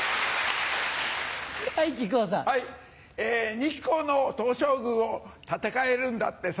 日光の東照宮を建て替えるんだってさ。